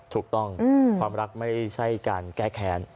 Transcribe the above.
ถูกต้องความรักไม่ใช่การแก้แค้น